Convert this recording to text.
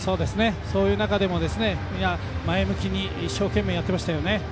そういう中でも前向きに一生懸命やってましたよね。